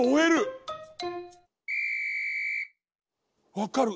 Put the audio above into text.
わかる！